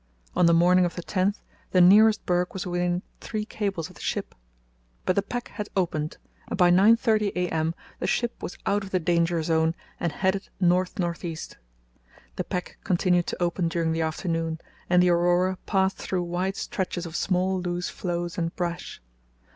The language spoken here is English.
On the morning of the 10th the nearest berg was within three cables of the ship. But the pack had opened and by 9.30 a.m. the ship was out of the danger zone and headed north north east. The pack continued to open during the afternoon, and the Aurora passed through wide stretches of small loose floes and brash.